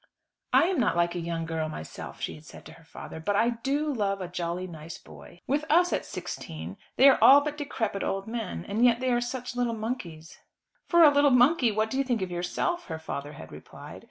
"I'm not like a young girl myself," she had said to her father, "but I do love a jolly nice boy. With us at sixteen, they are all but decrepit old men, and yet they are such little monkeys." "For a little monkey, what do you think of yourself?" her father had replied.